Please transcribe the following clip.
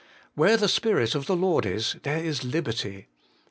' Where the Spirit of the Lord is, there is liberty.'